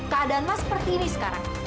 keadaan mas seperti ini sekarang